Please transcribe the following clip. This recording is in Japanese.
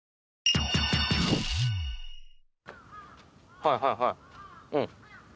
はいはいはいうん。